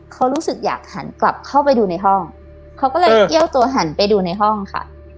เขารู้สึกอยากหันกลับเข้าไปดูในห้องเขาก็เลยเอี้ยวตัวหันไปดูในห้องค่ะ